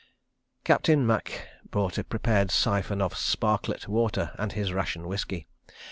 ... Captain Macke brought a prepared siphon of "sparklet" water and his ration whisky.